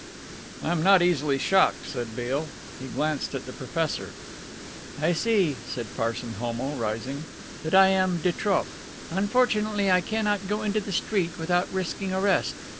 "I am not easily shocked," said Beale. He glanced at the professor. "I see," said Parson Homo, rising, "that I am de trop. Unfortunately I cannot go into the street without risking arrest.